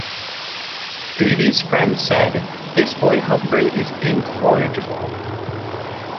Davy's friends said: This boy Humphry is incorrigible.